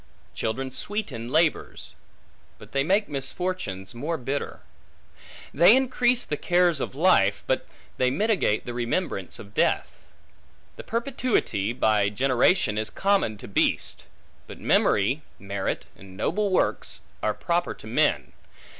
Children sweeten labors; but they make misfortunes more bitter. They increase the cares of life; but they mitigate the remembrance of death. The perpetuity by generation is common to beasts; but memory, merit, and noble works, are proper to men.